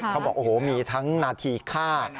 เขาบอกโอ้โหมีทั้งนาทีฆ่า